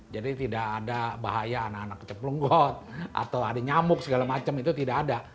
jadi tidak ada bahaya anak anak keceplunggot atau ada nyamuk segala macam itu tidak ada